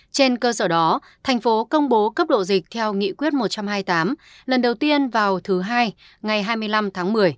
trên cơ sở đó thành phố công bố cấp độ dịch theo nghị quyết một trăm hai mươi tám lần đầu tiên vào thứ hai ngày hai mươi năm tháng một mươi